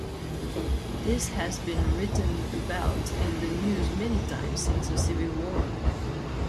This has been written about in the news many times since the Civil War.